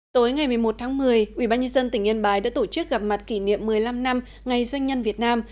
tối ngày một mươi một tháng một mươi ubnd tỉnh yên bái đã tổ chức gặp mặt kỷ niệm một mươi năm năm ngày doanh nhân việt nam